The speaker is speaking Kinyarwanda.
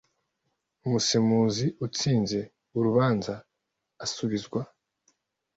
umusemuzi Utsinze urubanza asubizwa